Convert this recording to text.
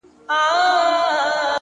موږ په هر يو گاونډي وهلی گول دی-